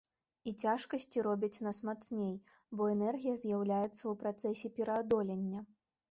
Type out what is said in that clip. І цяжкасці робяць нас мацней, бо энергія з'яўляецца ў працэсе пераадолення.